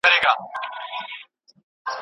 تیاره په ټوله کوټه کې خپره وه.